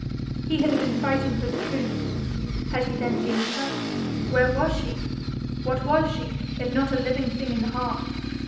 He had been fighting for the truth: had he then gained her? where was she? what was she if not a living thing in the heart?